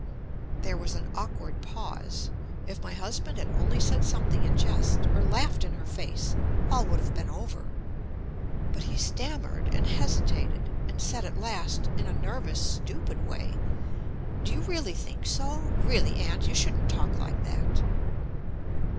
There was an awkward pause. If my husband had only said something in jest, or laughed in her face, all would have been over. But he stammered and hesitated, and said at last in a nervous, stupid way: "Do you really think so? Really, Aunt, you shouldn't talk like that."